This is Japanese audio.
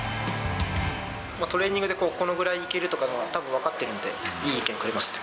トレーニングで、このぐらいいけるとかっていうのが分かってるんで、いい意見をくれました。